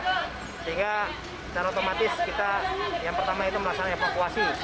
sehingga secara otomatis kita yang pertama itu melaksanakan evakuasi